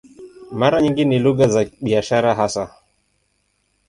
Mara nyingi ni lugha za biashara hasa.